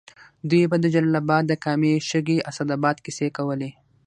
دوی به د جلال اباد د کامې، شګۍ، اسداباد کیسې کولې.